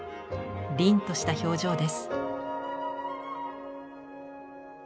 凜とした表情です。